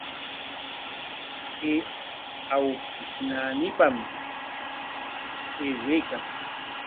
Chay awkish naanipam aywaykan.